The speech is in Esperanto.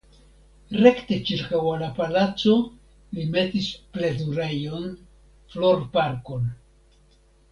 Rekte ĉirkaŭ la palaco li metis plezurejon (florparkon).